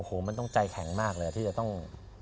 โอ้โหมันต้องใจแข็งมากเลยที่จะต้อง